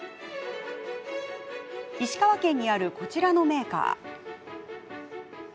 石川県にあるこちらのメーカー。